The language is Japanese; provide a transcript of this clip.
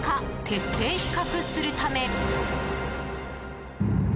徹底比較するため。